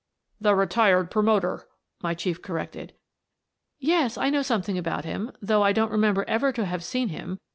" The retired promoter," my Chief corrected. "Yes, I know something about him, though I don't remember ever to have seen him.